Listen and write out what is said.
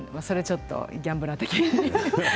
それはちょっとギャンブラー的に。